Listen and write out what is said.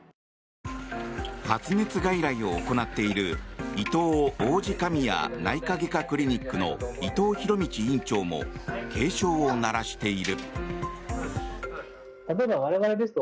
発熱外来を行っているいとう王子神谷内科外科クリニックの伊藤博道院長も警鐘を鳴らしている。